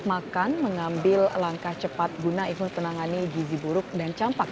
makan mengambil langkah cepat guna ikut menangani gizi buruk dan campak